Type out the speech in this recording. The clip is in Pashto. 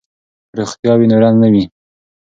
که روغتیا وي نو رنځ نه وي.